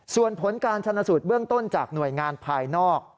ส่วนผลการชนสูตรเบื้องต้นจากหน่วยงานภายนอก